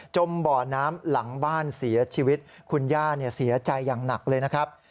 บ่อน้ำหลังบ้านเสียชีวิตคุณย่าเสียใจอย่างหนักเลยนะครับ